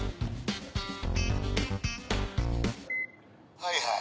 はいはい。